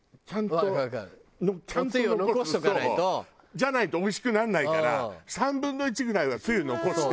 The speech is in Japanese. じゃないとおいしくならないから３分の１ぐらいはつゆ残して。